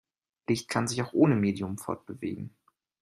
Licht kann sich auch ohne Medium fortbewegen.